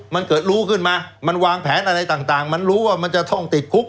มันเกิดรู้ขึ้นมามันวางแผนอะไรต่างมันรู้ว่ามันจะต้องติดคุก